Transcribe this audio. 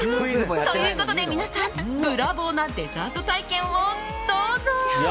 ということで皆さんブラボーなデザート体験をどうぞ。